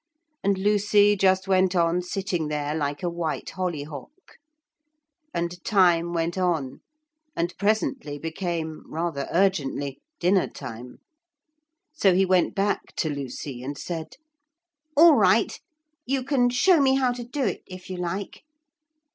And Lucy just went on sitting there like a white hollyhock. And time went on, and presently became, rather urgently, dinner time. So he went back to Lucy and said: 'All right, you can show me how to do it, if you like.'